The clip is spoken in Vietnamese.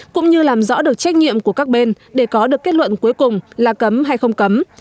cũng như làm rõ được trách nhiệm của các bên để có được kết luận cuối cùng là cấm hay không cấm